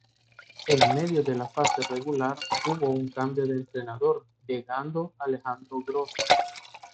En medio de la fase regular hubo un cambio de entrenador, llegando Alejandro Grossi.